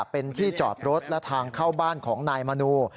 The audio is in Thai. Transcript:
เป็นที่จอดรถและทางเข้าบ้านของนายมนู